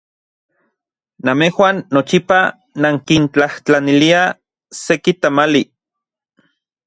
Namejuan nochipa nankintlajtlaniliaj seki tamali.